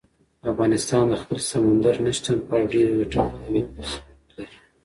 افغانستان د خپل سمندر نه شتون په اړه ډېرې ګټورې او علمي څېړنې لري.